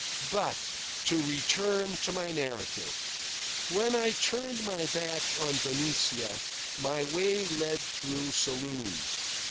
But to return to my narrative. When I turned my back on Benicia, my way led through saloons.